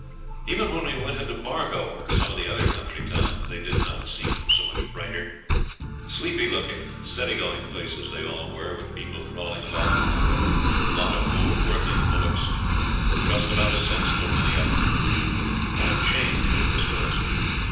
Even when we went into Bargo, or some of the other country towns, they did not seem so much brighter. Sleepy looking, steady going places they all were, with people crawling about them like a lot of old working bullocks. Just about as sensible, many of 'em. What a change all this was!